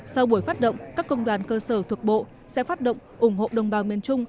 sau buổi phát động các công đoàn cơ sở thuộc bộ sẽ phát động ủng hộ đồng bào miền trung